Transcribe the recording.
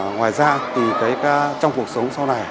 ngoài ra thì trong cuộc sống sau này